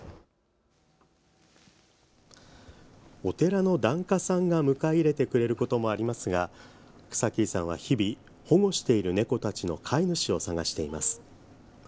お寺の檀家さんが迎え入れてくれることもありますが草切さんは、日々保護している猫たちの飼い主を探しています。